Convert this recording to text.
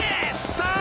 さあ